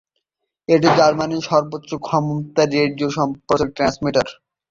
এটি জার্মানির সর্বোচ্চ ক্ষমতার রেডিও সম্প্রচার ট্রান্সমিটার।